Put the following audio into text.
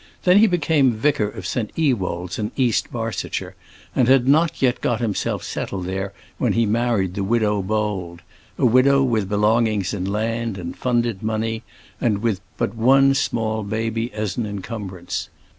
Then he became Vicar of St. Ewold's, in East Barsetshire, and had not yet got himself settled there when he married the Widow Bold, a widow with belongings in land and funded money, and with but one small baby as an encumbrance.